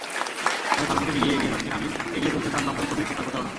তাই ভালো-মন্দ মিলিয়েই এগিয়ে যাচ্ছেন আমির, এগিয়ে চলছে তাঁর দঙ্গল ছবির প্রচার-প্রচারণা।